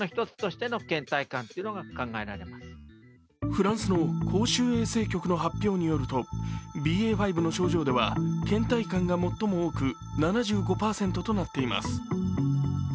フランスの公衆衛生局の発表によるとＢＡ．５の症状ではけん怠感が最も多く、７５％となっています。